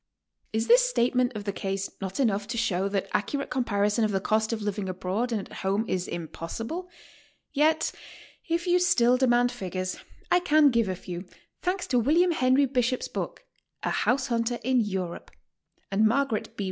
Is this statement of the case not enough to show that accurate comparison of 'the cost of living abroad and at home is impossible? Yet if you still demand figures, I can give a few, thanks to William Henry Bishop's book, ''A House Hunter in Europe," to Margaret B.